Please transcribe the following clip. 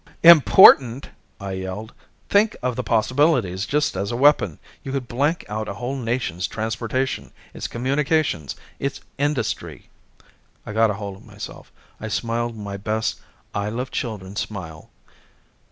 "Important?" I yelled. "Think of the possibilities just as a weapon! You could blank out a whole nation's transportation, its communications, its industry " I got hold of myself. I smiled my best I love children smile.